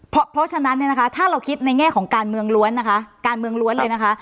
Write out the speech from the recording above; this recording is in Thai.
เพราะฉะนั้นถ้าเราคิดในแง่ของการเมืองล้วน